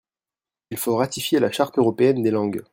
Il faut ratifier la Charte européenne des langues.